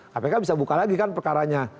kpk bisa buka lagi kan perkaranya